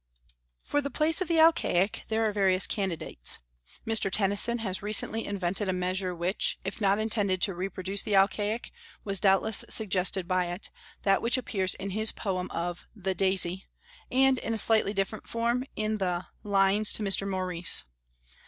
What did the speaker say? For the place of the Alcaic there are various candidates. Mr. Tennyson has recently invented a measure which, if not intended to reproduce the Alcaic, was doubtless suggested by it, that which appears in his poem of "The Daisy," and, in a slightly different form, in the "Lines to Mr. Maurice."